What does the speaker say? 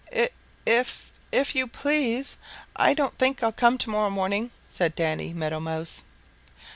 "If if if you please, I don't think I'll come to morrow morning," said Danny Meadow Mouse.